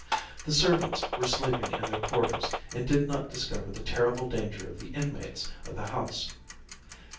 The servants were sleeping in their quarters, and did not discover the terrible danger of the inmates of the house.